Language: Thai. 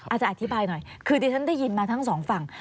อาจารย์อธิบายหน่อยคือที่ฉันได้ยินมาทั้งสองฝั่ง